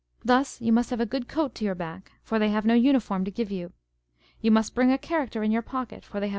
Thus you must have a good coat to your back ; for they have no uniform to give you. You must bring a character in your pocket ; for they have no respectability to lose.